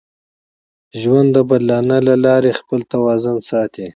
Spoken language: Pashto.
ژوند د بدلانه له لارې خپل توازن ساتي.